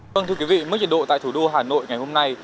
vâng thưa quý vị mức nhiệt độ tại thủ đô hà nội ngày hôm nay